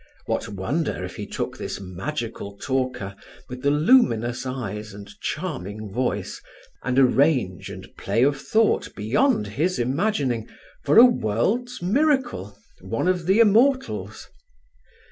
What wonder if he took this magical talker, with the luminous eyes and charming voice, and a range and play of thought beyond his imagining, for a world's miracle, one of the Immortals.